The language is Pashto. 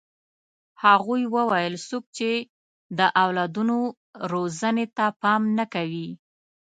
هغوی وویل څوک چې د اولادونو روزنې ته پام نه کوي.